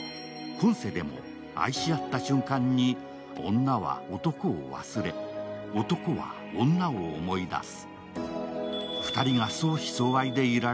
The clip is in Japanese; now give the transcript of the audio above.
今世でも愛し合った瞬間に、女は男を忘れ、男は女を思い出す。